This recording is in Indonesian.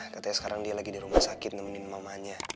katanya sekarang dia lagi di rumah sakit nemenin mamanya